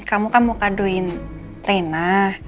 kamu kan mau kaduin rena